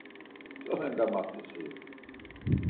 Solen gamaxti si?